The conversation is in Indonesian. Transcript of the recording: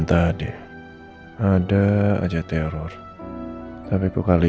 tidak ada ibuu fluff birthdays